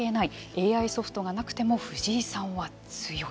ＡＩソフトがなくても藤井さんは強い。